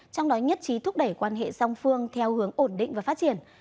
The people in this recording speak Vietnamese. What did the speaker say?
trong đó nhất trí thúc đẩy quan hệ song phương theo hướng ổn định và phát triển